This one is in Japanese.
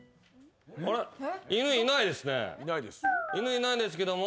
犬いないんですけども。